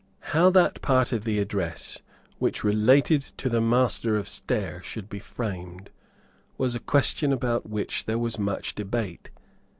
How that part of the address which related to the Master of Stair should be framed was a question about which there was much debate.